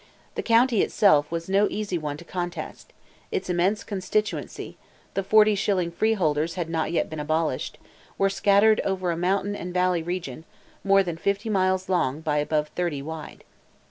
The county itself was no easy one to contest; its immense constituency (the 40 shilling freeholders had not yet been abolished), were scattered over a mountain and valley region, more than fifty miles long by above thirty wide.